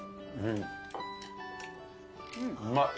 うまい。